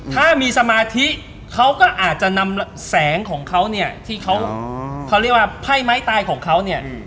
ถ้ามีสมาธิเขาก็อาจจะนำแสงของเขาที่เขา